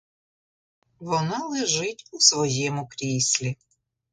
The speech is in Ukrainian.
Вона лежить у своєму кріслі.